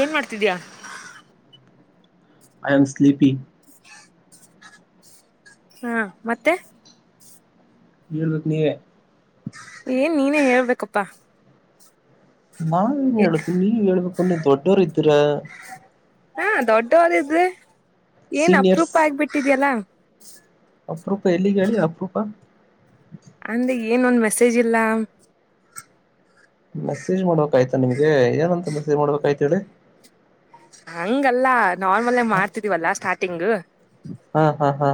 ಏನ್ ಮಾಡ್ತಿದ್ಯಾ. ಆಯಮ್ ಸ್ಲೀಪಿಂಗ್. [inaudible] ಹಾ ಮತ್ತೆ. ಎಳ್ಬೇಕ ನೀವೆ. ಏನ್ ನೀನೇ ಹೇಳ್ಬೇಕಪ್ಪಾ. ನಾವೇನ್ ಹೇಳತ್ ನೀವ ಹೇಳ್ಬೇಕಂದ್ ನಿವ್ ದೊಡ್ಡೋರ್ ಇದ್ದೀರ. ಟೋ ಲಿಡ್ಲಿ. ಏನ್ ಅಪ್ರೂಪ ಆಗ್ಬಿಟ್ಟಿದ್ಯಲ್ಲಾ. ಅಪರೂಪ ಎಲ್ಲಿಗ್ ಹೇಳಿ ಅಪ್ರೂಪ. ಅಂದೇ ಏನೊಂದ್ ಮೆಸೇಜ್ ಇಲ್ಲ. ಮೆಸೇಜ್ ಮಾಡ್ಬೇಕಾಯ್ತಾ ನಿಮ್ಗೆ ಏನಂತ ಮೆಸೇಜ್ ಮಾಡ್ಬೇಕಾಯ್ತ ಹೇಳಿ ಹಂಗಲ್ಲ ನಾರ್ಮಲ್ಾಗ ಮಾಡ್ತಿದೀವಲ್ಲ ಸ್ಟಾರ್ಟಿಂಗ್ ಹಾ ಹಾ ಹಾ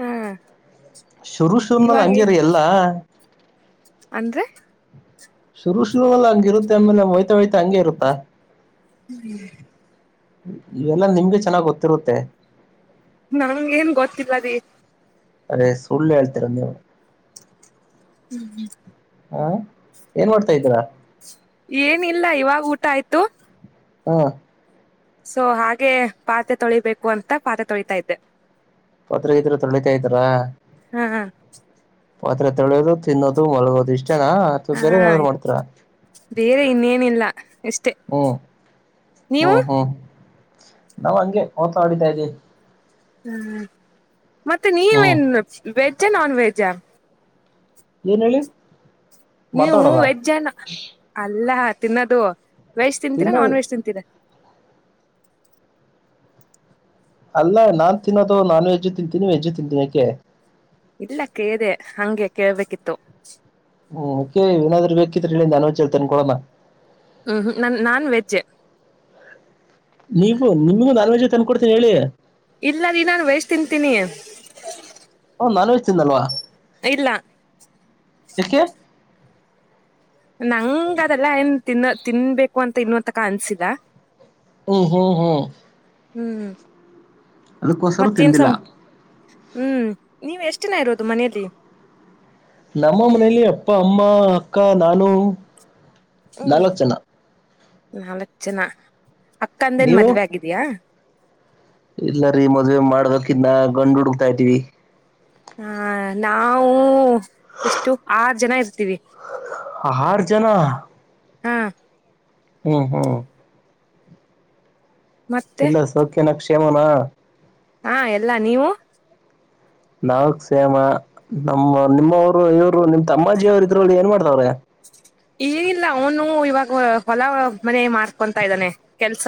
ಹಾ ಶುರು ಶುರ್ನಲ್ ಇವಾಗೆ ಹಂಗೇರಿ ಎಲ್ಲಾ. ಅಂದ್ರೆ. ಶುರು ಶುರು ಎಲ್ಲ ಹಂಗ ಇರುತ್ತೆ ಆಮೇಲೆ ಹೊಯ್ತಾ ಹೊಯ್ತಾ ಹಂಗಗೆ ಇರುತ್ತಾ. ಹ್ಮ್. ಇವೆಲ್ಲಾ ನಿಮ್ಗೆ ಚೆನ್ನಾಗ್ ಗೊತ್ತಿರುತ್ತೆ. ನನ್ ಏನ್ ಗೊತ್ತಿಲ್ಲದ. ಅದೇ ಸುಳ್ಳ ಆಳ್ ತಿರಂದ. ಹ್ಮ್ ಹ್ಮ್. ಹಾ ಏನ್ ಮಾಡ್ತಾ ಇದ್ದೀರಾ. ಏನಿಲ್ಲ ಇವಾಗ ಊಟ ಆಯ್ತು. ಹಾ. ಸೊ ಹಾಗೆ ಪಾತ್ ತೊಳಿಬೇಕು ಅಂತ ಪಾತ್ ತೊಳತಾ ಇದ್ದೆ. ಪತ್ರಿಕ ಇದ್ರೆ ತೊರಳಿತಾಾಯತಾರಾ. ಹ್ಮ ಹಾ. ಪಾತ್ರೆ ತಳೋದು ತಿನ್ನೋದು ಮಲಗೋದು ಇಷ್ಟ ಅವಾ ಬೇರೆ ಹಾ ಏನಾದರು ಮಾಡ್ತಾರ ಬೇರೆ ಇನ್ನೇನಿಲ್ಲ ಇಷ್ಟೇ ಹ್ಮ್ ನೀವು ಹ್ಮ್ ಹ್ಮ್! ನಾವ ಹಂಗೆ ಓತ ಆಡಿತಾ ಇದ್ದಿ ಹ್ಮ್ ಹ್ಮ. ಮತ್ತೆ ಹ್ಮ್ ನೀವೇನ್ ವಜ. ಚೆ ನಾನ್ವೆೆಜ್ ಏನ್ ಹೇಳಿ. ನೀವು ಮಾತಾಡೋದ ವೆಜ್ಜನ ಅಲ್ಲಾ ಹ ತಿನ್ನದು, ವೆಜ್ ತಿಂತೀರಾ ತಿನ್ನೋದು ನನ್ ವೆಜ್ ತಿಂತೀರಾ? ಅಲ್ಲ ನಾನ್ ತಿನ್ನೋದು ನಾನ್ ವೆಜ್ಜು ತಿಂತೀನಿ ವೆಜ್ಜು ತಿಂತೀನ ಯಾಕೆ? ಇಲ್ಲ ಕೇಳದೆ ಹಂಗೆ ಕೇಳ್ಬೇಕಿತ್ತು. ಹ್ಮ್ ಓಕೆ ಏನಾದ್ರು ಬೇಕಿದ್ರ ಅನ್ೋಳ್ ತನ್ಕೊಳಣ. ಹ್ಮ್ ನನ್ ನಾನ್ವೆೆಜ್ ನೀವು ನಿಮಗೂ ನಾಲ್ವೇ ಜ ತಂದ ಕೊಡ್ತೀನಿ ಹೇಳಿ ಇಲ್ಲ ರೀ ನಾನು ವಯಸ್ ತಿಂತೀನಿ ನಲೋ್ಿಂದಲ್ವಾ ಇಲ್ಲ‌ ಯಾಕೆ ನಂಗ ಅದೆಲ್ಲ ಎನ್ ತಿನ್ನ ತಿನ್ಬೇಕು ಅಂತ ಇನ್ನುವಂತಕ ಅನ್ಸಿಲ್ಲ. ಓ ಹೋ ಹ್ಮ ಹ್ಮ್್ಮ ಅದಕ್ಕೋಸ್ಕರ ತಿಂದಿಲ್ಲ ಹ್ಮ್ ನೀವ ಎಷ್ಟ ಜನ ಇರೋದು ಮನೇೆಯಲ್ಲಿ? ನಮ್ಮ ಮನೇಲಿ ಅಪ್ಪ, ಅಮ್ಮ ಅಕ್ಕ ನಾನು, ನಾಲ್ಕ ಜನಾ, ನಾಲ್ಕ ಜನಾ, ಅಕ್ಕಂದೇನ್ ಮದ್ವೆ ಆಗಿದ್ಯಾಾ? ಇಲ್ಲರಿೀ ಮದ್ವೆ ಮಾಡ್ಬೇಕಕನ್ನ ಗಂಡು ಹುಡುಕ್ತಾ ಇತಿೀವಿ. ಹಾ ನಾವು ಎಷ್ಟು ಆದ ಜನ ಇರ್ತೀವಿ‌ ಆರ್ ಜನಾ? ಹ್ಮ ಹಾ ಮತ್ತೆ ಇಲ್ಲ ಸೌಖ್ಯ ನಕ್ಷ? ‌‍ಕ್ಷೆಮನಾ ಹಾ ಎಲ್ಲಾ ನೀವು ನಾವಕ್ ಸೇಮ ನಮ್ಮ ನಿಮ್ಮವರು ಇವರು ನಿಮ್ ತಮ್ಮಾಜಿಯವರು ಇದ್ರಲ್ಲಿ ಏನ್ ಮಾಡ್ತವ್ರೆ. ಏನಿಲ್ಲ ಅವನು ಇವಾಗ ಹೊಲ ಮನೆ ಮಾಡ್ಕೊತಾ ಇದ್ದಾನೆ. ಕೆಲ್ಸ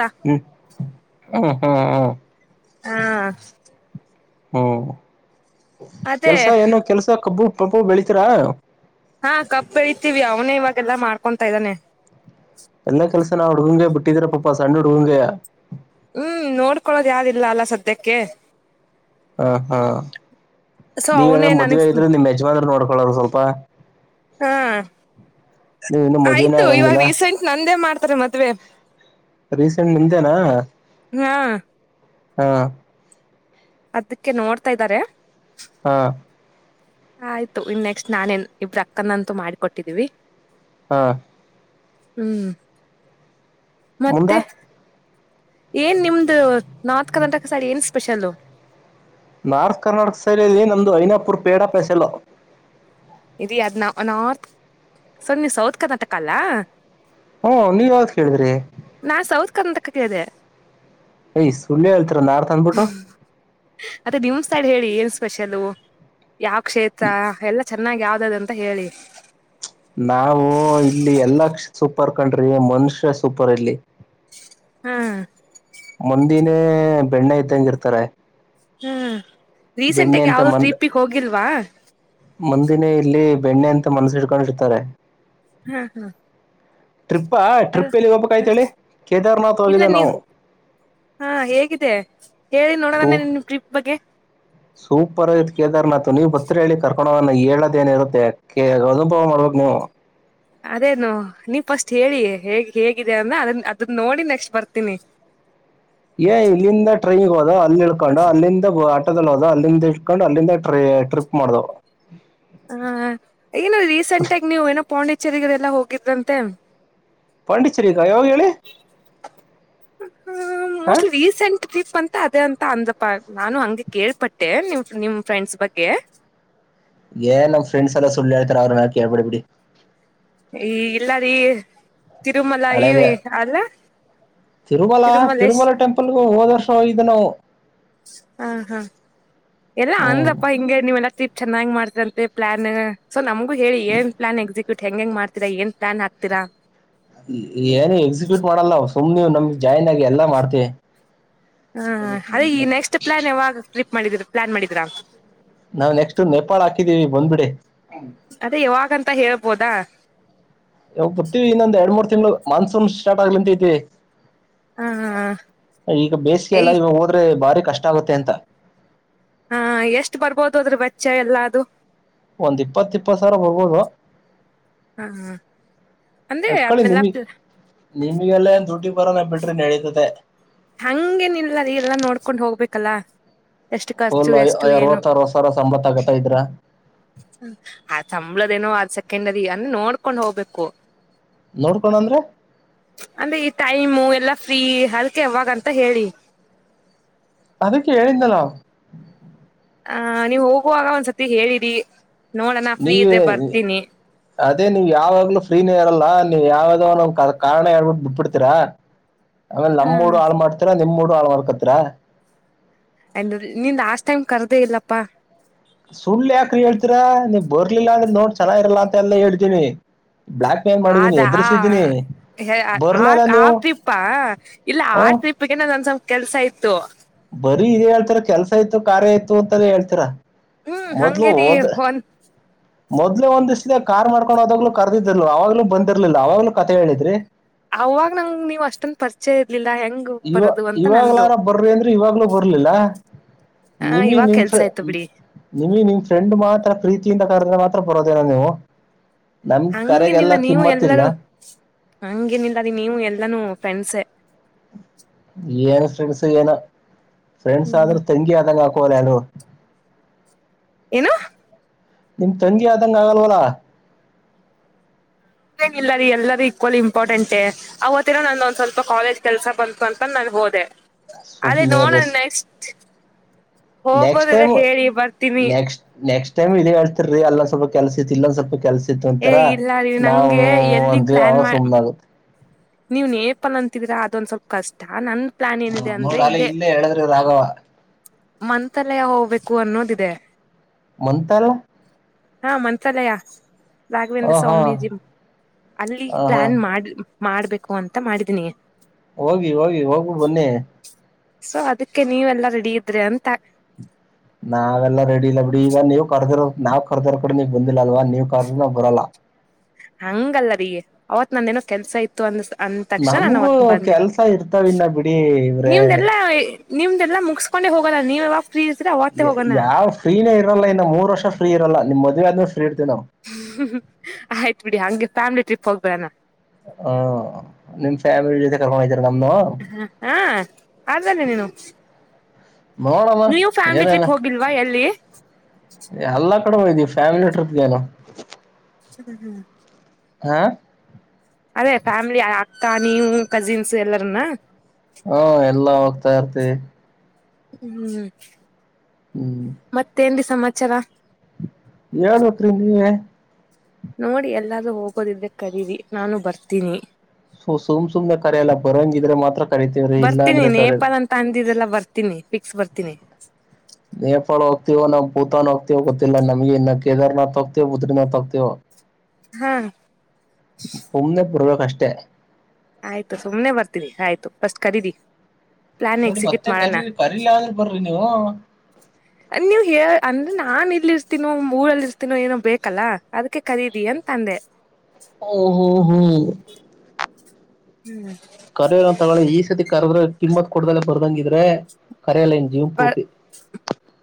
ಹ್ಮ ಹ್ಮ್ ಹ್ಮ್ ಹಾ ಹ್ಮ ಅದೇ ಕೆಲ್ಸ ಏನು ಕೆಲ್ಸ ಕಬ್ಬು, ಪಪ್ಪು ಬೇಲಿತೀರಾ ಹಾ ಕಪ್ಪಳತೀವಿ ಅವನೇ ಇವಾಗೆಲ್ಲಾ ಮಾಡ್ಕೊತಾ ಇದ್ದಾನೆ ಲ್ಲ ಕೆಲಸ ನಾ ಹುಡುಗಂಗೆ ಬಿಟ್ಟಿದ್ರ ಪಾಪಾ ಸಣ್ಣ ಹುಡುಗಗೆ ಹ್ಮ್ ನೋಡ್ಕೊಳೋದ ಯಾವ್ದಿಲ್ಲ ಅಲ್ಲ ಸದ್ಯಕ್ಕೆ ಹಾ ಹಾ ಸೊ ಅವನೇ ನೀವೇಏನಾದ್ರು ಮದ್ವೆ ನನಗ್ ಆಗಿದ್ರೆ ನಿಮ್ ಯಜಮಾನ್ರು ನೋಡ್ಕೊಳರು ಸ್ವಲ್ಪ ಹಾ ನೀವ ಇನ್ನು ಮದ್ವನೇ ಆಯ್ತು ಇವಾಗ ಆಗಂಗಿಲ್ಲ ರೀಸೆಂಟ್ ನಂದೇ ಮಾಡ್ತಾರೆ ಮದ್ವೆ ರೀಸೆಂಟ್ ನಿಂತೇನಾ ಹಾ ಹಾ ಅದಕ್ಕೆ ನೋಡ್ತಾ ಇದ್ದಾರೆ ಹಾ ಆಯ್ತು ಇನ್ ನೆಕ್ಸ್ಟ್ ನಾನೇನ್ ಇಬ್ಬರ ಅಕ್ಕನಂತು ಮಾಡಿಕೊಟ್ಟಿದ್ದೀವಿ ಹಾ ಹ್ಮ್ ಮುಂದೆ ಮತ್ತೆ ಏನ್ ನಿಮ್ದು ನಾರ್ತ್ ಕರ್ನಾಟಕ ಸೈಡ್ ಪಸಾಲೋ ನಾರ್ತ್ ಕರ್ನಾಟಕ ಸೈಡ್ಲ್ಲಿ ನಂದು ಐನಾಪುರ್ ಪೇಡಾ ಪಸೆಲ್ಲ ಇದ ಅದ್ ನ ನಾರ್ತ್ ಸರ್ ನೀವು ಸೌತ್ ಕರ್ನಾಟಕ ಅಲ್ಲ ಹ್ಮ ನೀವ ಯಾವ್ದ ಕೇಳಿದ್ರಿ ನಾ ಸೌತ್ ಕರ್ನಾಟಕಕ್ಕೆ ಇದೆ ಯ್ ಸುಳ್ಳು ಹೇಳ್ತರ ನಾರ್ ತ ಅಂದಬಿಟ್ಟು ಸ್ಪೆಷಲ ಯಾವ ಕ್ಷೇತ್ರ ಎಲ್ಲ ಚೆನ್ನಾಗ ಯಾವ್ದದ ಅಂತ ಹೇಳಿ ನಾವು ಇಲ್ಲಿ ಎಲ್ಲ ಕಷ ಸ ಸೂಪರ್ ಕಂಡ್ರಿ ಮನುಷ್ಯ ಸೂಪರ್ ಇಲ್ಲಿ ಹಾ್ ಮುಂದಿನೇ ಬೆಣ್ಣೆ ಇದ್ದಂಗ ಇರ್ತಾರೆ ಹ್ಮ್ ಬೆಣ್ಣೆ ರೀಸೆಂಟಗ ಅಂತ ಯಾವ್ದ ಟ್ರಿಪಿಗೆ ಹೋಗಿಲ್ವಾ ಮುಂದಿನೇ ಇಲ್ಲಿ ಬೆಣ್ಣೆ ಅಂತ ಮನ್ಸಿಡ್ಕೊಂಡಿರ್ತಾರೆ ಹಾ ಹಾ ಅದ ಟ್ರಿಪ್ ಎಲ್ಲಿ ಹೋಗ್ಬೇಕಾಯ್ತ ಹೇಳಿ ಕೇದಾರ್ನಾಥ್ ಇಲ್ಲ ಹೋಗಿದ್ದ ನೀವು ನಾವು ಹಾ ಹೇಗಿದೆ ಹೇಳಿ ಸೂ ನೋಡದಾನ ನಿ ಟ್ರಿಪ್ ಬಗ್ಗೆ ಸೂಪರ್ ಆಗ ಕೇದಾರ್ನಾತು ನೀವ್ ಬರ್ತೀರಾ ಹೇಳಿ ಕರ್ಕೊಂಡವನ್ನು ಹೇಳದ ಏನಿರುತ್ತೆ ಕೆ ಅನುಭವ ಮಾಡ್ಬೇಕಕ್ ನೀವು ಅದೇನು ನೀ ಫಸ್ಟ್ ಹೇಳಿ ಹೇಗ್ ಹೇಗಿದೆ ಅನ್ನ ಅದನ್ ಅದನ್ನ ನೋಡಿ ನೆಕ್ಸ್ಟ್ ಬರ್ತೀನಿ ಏ ಇಲ್ಲಿಂದ ಟ್ರೈನ್ಗೆ ಹೋದ ಅಲ್ಲಿ ಇಲ ಕೊಂಡು ಅಲ್ಲಿಂದ ಅಲ್ಲಿಂದ ಇಟ್ಕೊಂಡು ಅಲ್ಲಿಂದ ಟ್ರಿಪ್ ಮಾಡ್ದವ ಹ ಏನ ರೀಸೆಂಟ್ ಆಗ ನೀವ್ ಏನ ಪಾಂಡಿಚರಿಗರೆಲ್ಲಾ ಹೋಗಿದ್ರಂತೆ. ಪಂಡಿಚರಿ. ಹ್ಮ ಹ ಮೋಸ್ಟ್ ರೀಸೆಂಟ್ ಟಿಪ್ ಅಂತ ಅದೇ ಅಂತ ಅಂದ ನಾನು ಹಂಗೆ ಕೇಳ್ಪಟ್ಟೆ ನಿಮ್ ನಿಮ್ ಫ್ರೆಂಡ್ಸ್ ಬಗ್ಗೆ ಏನ್ ನಮ್ ಫ್ರೆಂಡ್ಸ್ ಎಲ್ಲ ಸುಳ್ಳು ಹೇಳ್ತಾರೆ ಅವ್ರ ನ ಕೇಳ್ಬಡ್ಬಿಡಿ ಈ ಇಲ್ಲ ರೀ ತಿರುಮಲ ಈ ಹಳೇದೆ ಅಲ್ಲ ತಿರುಮಲ ತಿರುಮಲೇಶ್ ತಿರುಮಲ ಟೆಂಪಲ್ಗ ಹೋದ್ ವರ್ಷ ಹೋಗಿದೆ ನಾವು! ಹ್ಮ ಹಾ ಎಲ್ಲ ಹ್ಮ್ ಅಂದ್ರಪ್ಪಾ ಹಿಂಗೆ ನಿವೆ ಎಲ್ಲ ತಿ ಚೆನ್ನಾಗಿ್ ಮಾಡ್ತಂತೆ ಪ್ಲಾನ್ ಸ ನಮಗೂ ಹೇಳಿ ನ್ ಪ್ಲಾನ್ ಎಕ್ಸಿಟ್. ಬಿಟ್ ಹ ಹೆಂಗ ಮಾಡ್ತೀಾ ಏನ್ ಪ್ಲಾನ್ ಹಗ್ತೀರಾ. ಏನು ಎಕ್ಸಿಕ್ಯೂಟ್ ಮಾಡಲ್ಲ. ಸುಮ್ ನೀವು ನಮ್ಗ್ ಜಾಯನ್ ಆಗಿ ಎಲ್ಲ ಮಾಡ್ತೀವಿ. ಹ್ಮ ಅದೇ ಈ ನೆಕ್ಸ್ಟ್ ಪ್ಲಾನ್ ಯಾವಾಗ? ಮಾಡಿದೀರಾ ಪ್ಲಾನ್ ಮಾಡಿದೀರಾ? ನಾವವು ನೆಕ್ಸ್ಟ್ ನೇಪಾಳ ಹಾಕಿದ್ದೀವಿ ಬಂದ್ಬಿಡಿ. ಅದೇ ಯಾವಾಗಂತ ಹೇಳಬ ಬೋದಾ ಯಾವಾಗ ಬರ್ತೀವಿ ಇನ್ನೊಂದ ಎರಡ್ ಮೂರ್ ತಿಂ್ಳ ಮಾನ್ಸೂನ್ ಸ್ಟಾರ್ಟ್ ಆಗ್ಲಿಂತ ಐತಿ! ಹ ಹ ಈಗ ಬೇಸಿಗೆ ಎಲ್ಲ ಇವಾಗ ಹೋದ್ರೆ ಬಾರಿ ಕಷ್ಟ ಆಗುತ್ತೆ ಅಂತ. ಹಾ ಎಷ್ಟ್ ಬರ್ಬೋದು ಅದ್ರ ಬಚ್ಚ ಎಲ್ಲದುೂ. ಒಂದ್ ಇಪ್ಪತ್ ಇಪ್ಪತ್ತು ಸಾವಿರ ಹೋಗೋದು. ಹ ಅಂದ್ರೆ ಅಡ್ಕಳಿ ನಿಮ ಅದನ್ನೆಲ್ಲಾ ನಿಮಗೆ ಎಲ್ಲಏ ಟಿ ರ ಬಿಡ್ರೆ ನಡೀತದೆ. ಹಂಗೇನಲ್ಲ ಅದ ಎಲ್ಲಾ ನೋಡ್ಕೊಂಡ್ ಹೋಗ್ಬೇಕು ಅ ಕಲ ಎಷ್ಟು ಖರ್ಚು ಫುಲ್ ಎಷ್ಟು ಏನು ಅರವತ್ ಅರವತ್ ಸಾವಿರ ಸಂಬತ್ ಆಗತ್ತ ಇದ್ರ ಆ ಸಂಬಳದೇನೋ ಅ ಸೆಕೆಂಡ್ದಿ ಅನ್ನ ನೋಡ್ಕೊಂಡ ಹೋಗ್ಬೇಕು ನೋಡ್ಕೊಂಡ್ ಅಂದ್ರೆ ಅಂದ್ರೆ ಈ ಟೈಮು ಎಲ್ಲಾ ಫ್ರೀ ಹಲ್ತ್ ಅವಾಗಂತ ಹೇಳಿ. ಅದು ಕೇಳೇಳಿಂದಲೋ ಆ ನೀವ್ ಹೋಗುವಾಗ ಒಂದ್ಸತಿ ಹೇಳಿರಿ ನೋಡ ನಾ ಫ್ರೀ ನೀವೇ ಇದ್ರೆ ಬರ್ತೀನಿ ಅದೇ ನೀವ್ ಯಾವಾಗ್ಲೂ ಫ್ರೀನ ಇರಲ್ಲ ನೀವ್ ಯಾವದೋ ಒ ಕಾರಣ ಹೇಳ್ಬಿಟ್ಟು ಬಿಟ್ಬ ಬಿಿಡ್ತೀರಾ ಆಮೇಲೆ ನಮ್ಮ ಹ್ಮ್ ಮೂಡ್ ಹಾಳ್ ಮಾಡ್ತಾರ ನಿಮ್ ಮೂಡು ಆಳ ಮರ್ಕತ್ರ ಅ ನಿನ್ ಆಸ್ಟ್ ಟೈಮ್ ಕರ್ದೇ ಇಲ್ಲಪ್ಪಾ ಸುಳ್ಳು ಯಾಕ್ರಿ ಹೇಳ್ತೀರಾ ನೀವ್ ಬರ್ಲಿಲ್ಲ ಅಂದ್ರೆ ನೋಡ್ ಚೆನ್ನಾಗಿ ಇರಲ್ಲಾ ಅಂತ ಎಲ್ಲ ಹೇಳ್ತೀನಿ ಬ್ಲಾಕ್ ಮೇಲ್ ಮಾಡಿದೀನಿ ಆದದಾ ಎದುರಿಸಿದ್ದೀನಿ ಆ ಬರ್ಲಿಲ್ಲ ಆ ನೀವು ಟ್ರಿಪ್ಪಾ ಇಲ್ಲ ಆ ಹ್ಮ್ ಟ್ರಿಪ್ಗೆ ನಂದ ಸ್ವಲ್ಪ ಕೆಲ್ಸ ಇತ್ತು ಬರೀ ಇದೇ ಹೇಳ್ತರಾ ಕೆಲ್ಸ ಆಯ್ತು ಕಾರ್ಯ ಆಯತು ಅಂತ ಹೇಳ್ತರಾ ಹ್ಮ್ ಹಂಗೇರಿ ಒನ್ ಮೊದ್ಲೆ ಒಂದ್ ಇಸ್ಟ ಕಾರ್ ಮಾಡ್ಕೊಂಡ್ದಾಗ್ಲು ಕರ್ದಿದ್ಲ್ಲು ಅವವಾಗ್ಲುೂ ಬಂದಿರ್ಲಿಲ್ಲ ಅವವಾಗ್ಲುೂ ಕತೆ ಹೇಳಿದ್ರಿ ಅವಾಗ ನಂಗ್ ನೀವ್ ಅಷ್ಟೊಂದು ಪರಿಚಯ ಇರ್ಲಿಲ್ಲ ಹೆಂಗ್ ಇವ ಬರದು ಅಂತ ನಂದು ಇವಾಗ್ಲಾರ ಬರ್ರಿ ಅಂದ್ರೆ ಇವಾಗ್ಲೂ ಬರ್ಲಿಲ್ಲ ಆ ನಿಮಗ ಇವಾಗ ನಿನ್ ಕೆಲ್ಸ ಫ್ರ ಆಯ್ತು ಬಿಡಿ ನಿಮ ನಿನ್ ಫ್ರೆಂಡ್ ಮಾತ್ರ ಪ್ರೀತಿಯಿಂದ ಕಾರದ್ರೆ ಮಾತ್ರ ಬರೋದೇನ ನೀವು ನಮ್ ಕರೆಗೆಲ್ಲ ಹಂಗೇನಿಲ್ಲ ನೀವು ಕಿಮ್ಮತ್ತಿಲ್ಲ ಎಲ್ಲರೂ ಹಂಗೇನಿಲ್ಲ ಅದ ನೀವು ಎಲ್ಲಾನೂ ಫ್ರೆಂಡ್ಸೆ ಏನ ಫ್ರೆಂಡ್ಸ್ ಏನೋ ಫ್ರೆಂಡ್ಸ್ ಹ್ಮ್ ಆದ್ರು ತಂಗಿ ಆದಾಗ ಹಕ ಲಾನು ಏನು ನಿಮ್ ತಂಗೆ ಆದಂಗ ಆಗಲ್ವಲ ಇನ ಇಲ್ಲ ರೀ ಎಲ್ಲರೂ ಈಕ್ವಲ್ ಇಂಪಾರ್ಟೆಂಟ ಅವತ್ತ ಏನೋ ನಾನೊಂದ್ ಸ್ವಲ್ಪ ಕಾಲೇಜ್ ಕೆಲ್ಸ ಬಂತು ಅಂತ ನನ್ ಹೋದೆ ಅದೇ ಸುಮ್ನೆ ನೋಡೋಣ ನೆಕ್ಸ್ಟ್ ನೆಕ್ಸ್ಟ್ ಹೋಗೋದ್ರ ಹೇಳಿ ಬರ್ತೀನಿ ಟಮ್ ಇದೆೇತತಿರಿ ಅಲ್ಲ ಸ್ವಲ್ಪ ಕೆಲ್ಸ ಇಲ್ಲಂದ ಸ್ವಲ್ಪ ಕೆಲ್ಸ ಏ ತರ ಇಲ್ಲ ರೀ ನಾವು ನಂಗೆ ಒಂದ ಸುಮ್ನ ಆಾಗುತ್ತೆ ನೀವ್ನ್ ಪಲ್ ಅಂತಿದ್ರ ಅದೊಂದ್ ಸ್ವಲ್ಪ ಕಷ್ಟ ನನ್ ಪ್ಲಾನ್ ಹ ಏನಿದೆ ನಡಾಲ ಇಲ್ಲೇ ಹೇಳದ್ರೆ ಅ ಆಗವ ಮಂತಲೆ ಹೋಗ್ಬೇಕು ಅನ್ನೋದಿದೆ ಮಂತಲ್ಲ ಹಾ ಮಂತ್ರಾಲಯ ರಾಘವೇಂದ್ರ ಹ ಹಾ ಸ್ವಾಮೀಜಿ ಅಲ್ಲಿ ಹ ಹಾ ಪ್ಲಾನ್ ಮಾಡಿ ಮಾಡ್ಬೇಕು ಅಂತ ಮಾಡಿದೀನಿ ಹೋಗಿ ಹೋಗಿ ಹೋಗು ಬೊನ್ನೆ ಸೊ ಅದಕ್ಕೆ ನೀವೆಲ್ಲಾ ರೆಡಿ ಇದ್ರೆ ಅಂತ ನಾವೆಲ್ಲಾ ರೆಡಿ ಇಲ್ಲ ಬಿಡಿ ಈಗ ನೀವು್ ಕರ್ದಿರೋ ನಾವ್ ಕರ್ದಿರ ಕೂಡ ನೀ ಬಂದಿಲ್ಲ ಅಲ್ವಾ ನೀವ್ ಕರ್ದ ನಾವವು ಬರಲ್ಲ ಹಂಗಲ್ಲರಿ ಅವತ್ ನಂದೇನೋ ಕೆಲ್ಸ ಇತ್ತು ಅಂದ ಅಂದ ತಕ್ಷಣ ನಾನು ನಮ್ಗೂ ಅವತ್ ಬಂದಿಲ್ಲ ಕೆಲ್ಸ ಇರ್ತಾವನ್ನ ಬಿಡಿ ಇವ್ರೆ ನಿಮ್ದಲ್ಲ ಮುಗಿಸಸ್ಕೊಂಡೆ ಹೋಗೋಲ್ಲ ನೀವು ಯಾವ ಯಾವ ಫ್ರೀನ ಲ್ಲ ಇನ್ನು ಮೂರು ವರ್ಷ ಫ್ರೀ ಇರಲ್ಲ ನಿಮ್ಮ ಮದುವೆ ಆದ್ರ ್ಮ ಆಯ್ತ್ು ಬಿಡಿ ಹಂಗೆ ಫ್ಯಾಮಿಲಿ ಟ್ರಿಪ್ ಹೋಗ್ಬೇಣ ಹ ನಿಮ್ ಫ್ಯಾಮಿಲಿ ಜೊತೆ ಕರ್ಕೊಂಡ ಹ ಹಾ ಆದ್ದನೆೆ ನೀನು ನೋಡಮ್ಮ ನೀವು ಫ್ಯಾಮಿಲಿ ಏನೇನ ಟ್ರಿಪ್ ಹೋಗಿಲ್ವಾ ಎಲ್ಲಿ ಅಲ್ಲಕ್ಕ ಕ ಫಾಮಿಲಿ ಟ್ರಿಪ್ ಗಲ್ಲ ಸರಿ ಹ್ಮ್ ಹಾ ಅದೇ ಫ್ಯಾಮಿಲಿ ಅಕ್ಕ ನೀವು ಕಜಿನ್ಸ್ ಎಲ್ಲರನ್ನ ಹಾ ಎಲ್ಲಾ ಹೋಗ್ತಾ ಇರ್ತಿವಿ ಹ್ಮ ಹ್ಮ್ ಹ್ಮ್ ಮತ್ತೇನ್ ಸಮಾಚಾರ ಏನ್ ಉತ್ತರಿಂದ ನೋಡಿ ಎಲ್ಲಾರೂ ಹೋಗೋದ ಇದೆ ಕರೀರಿ ನಾನು ಬರ್ತೀನಿ ಸ ಸುಮ್ ಸುಮ್ನೆ ಕರಲ್ಲ ಬರಂಗಿದ್ರೆ ಮಾತ್ರ ಕರಿತೇವ್ರೀ ಇಲ್ಲ ಬರ್ತೀನಿ ಅಂದ್ರೆ ಕರೆಯದು ನೇಪಾಲ್ ಅಂತ ಅಂದಿದೆಲ್ಲ ಬರ್ತೀನಿ ಫಿಕ್ಸ್ ಬರ್ತೀನಿ ನೇಪಾಳ ಹೋಗ್ತೀವ ನಾವು ಭೂತಾನ್ ಹೋಗ್ತವೋ ಗೊತ್ತಿಲ್ಲ ನಮ್ಗೆ ಇ ಕದಾರ್ನಾಥ್ ಹೋಗತಿವ ಬುತ್್ರಿನಾಥ್ ಹೋಗ್ತೀವ ಹಾ ಅಷ್ಟೇ ಆಯ್ತು ಸುಮ್ನೆ ಬರ್ತೀರಿ ಆಯ್ತು ಪಾಸ್ಟು ಕರೀರಿ ಪ್ಲಾನ್ ನೋಡಿ ಎಕ್ಸಿಕ್ಯೂಟ್ ಮತ್ತೆ ಮಾಡೋಣ ಕರಿ ಕರಿಲ ಅ ಬರ್ರಿ ಹಓ ನೀವ್ ಹ ಅಂದ್ರೆ ನಾನ್ ಇಲ್ಲಿ ಇಸ್ತೀನೋ ಊರಲ್ಲಿ ಇರ್ತೀನೋ ಏನೋ ಬೇಕಲ್ಲ ಅದಕ್ಕೆ ಕರೀಿರಿ ಅಂತ ತಂದೆ ಹ್ಮ ಹ್ಮ್ ಹ್ಮ್ ಹ್ಮ್ ಕರರ ತಗಳಿ ಈ ಸತಿ ಕರದ್ರ ಕಿಮ್ಮತ್ ಕೊಡ್ದಲ್ಲ ಬರ್ದಂಗಿದ್ರೆ ಕರೆಯಲ್ಲ ಇನ್ ಜೀವನ್ ಬರ್ ಪೂರ್ತಿ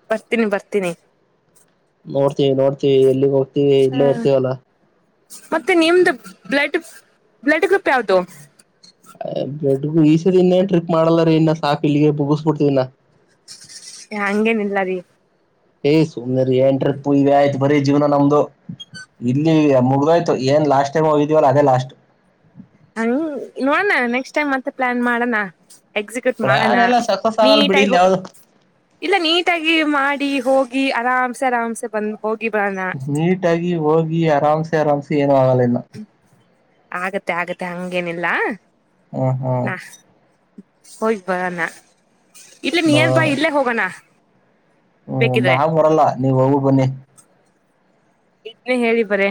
ಬರ್ತೀನಿ ಬರ್ತೀನಿ ನೋಡ್ತೀವಿ ನೋಡ್ತೀವಿ ಎಲ್ಲಿ ನೋಗ ಇರ್ವಿ ಹ ಇಡ್ಲ್ಲಾ ಇರ್ತೀವಲ್ಲಾ ಮತ್ತೆ ನಿಮ್ದ ಬ್ಲಡ್ ಬ್ಲಡ್ ಗ್ರೂಪ್ ಯಾವ್ದು ಎಡ್ ಈಸದ ಇನ್ನೇ ್ರಿ ಮಾಡಲ್ಲಾರ ಇನ್ನ ಸಾಕು ಇಲ್ಲಿಗೆ ಮುಗಿಸ್ಬಿಡ್ತಿದನಾ ಹಂಗೇನಿಲ್ಲ ರೀ ಏಯ್ ಸುಮ್ನಿರ್ರಿ ಏನ್ ಟ್ರಿಪ್ ಇ ಆಯ್ತು ಬರೀ ಜೀವನ ನಮ್ದು ಇಲ್ಲಿ ಮುಗ್ದೋಯ್ತು ಏನ್ ಲಾಸ್ಟ್ ಟೈಮ್ ಹೋಗಿದೀವಲ್ಲ ಅದೇ ಲಾಸ್ಟ್ ಹ ನೋಡಣ ನೆಕ್ಸ್ಟ್ ಟೈಮ್ ಮತ್ತೆ ಪ್ಲಾನ್ ಮಾಡಣ ಎಕ್ಸಿಕ್ಯೂಟ್ ಮಾಡೋಣ ಪ್ಲಾನ್ ಎಲ್ಲ ಸಕ್ಸಸ್ ಆಗಲ್ ಬಿಡಿ ನೀಟಗ ಇನ್ ಯಾವ್ದು ಇಲ್ಲ ನೀಟಾಗಿ ಮಾಡ ಡಿ ಹೋಗಿ ಆರಾಮ್ಸೆ ಆರಾಮ್ಸೆ ಬಂದ ನೀಟಾಗಿ ಹೋಗಿ ಆರಾಮ್ಸೆ ಆರಾಮ್ಸೆ ವಾಗಾಲನ್ನ ಆಗತ್ತೆ ಆಗತ್ತೆ ಹಂಗೇನಿಲ್ಲ ಹ್ಮ ಹಾ ಹಯ್ ಬಾನ ಇಲ್ಲ ನಿಯರ್ ಬಾಯ್ ಇಲ್ಲೇ ಹೋಗೋಣ ಹ್ಮ್ ನಾ ಬೇಕಿದ್ರೆ ಬರಲ್ಲ ನೀವ್ ಹೋಗು ಬನ್ನಿ ಇದನ್ನೇ ಹೇಳಿ ಬರ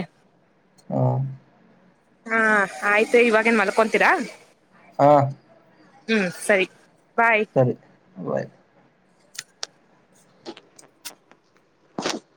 ಹಾ ಹಾ ಆಯ್ತು ಇವಾಗ ಏನ್ ಮಲ್ಕೊಂತೀರಾ ಹಾ ಹ್ಮ್ ಸರಿ ಬಾಯ್ ಸರಿ ಬಾಯ್ [inaudible]